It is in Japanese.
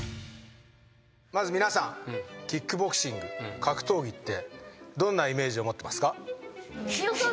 まず皆さんキックボクシング格闘技ってどんなイメージを持ってますか？